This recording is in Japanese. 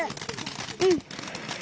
うん。